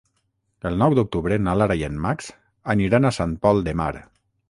El nou d'octubre na Lara i en Max aniran a Sant Pol de Mar.